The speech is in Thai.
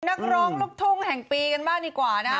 นักร้องลูกทุ่งแห่งปีกันบ้างดีกว่านะ